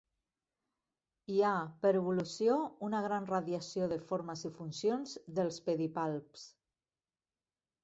Hi ha, per evolució, una gran radiació de formes i funcions dels pedipalps.